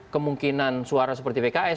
kemungkinan suara seperti pks